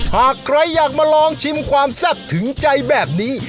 หากใครอยากมาลองชิมความแซ่บถึงใจแบบนี้